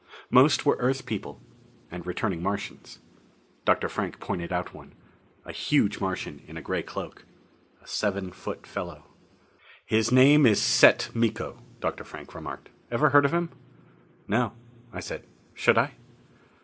Most were Earth people and returning Martians. Dr. Frank pointed out one. A huge Martian in a grey cloak. A seven foot fellow. "His name is Set Miko," Dr. Frank remarked. "Ever heard of him?" "No," I said. "Should I?"